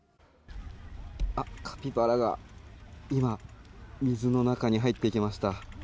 カピバラが今水の中に入っていきました。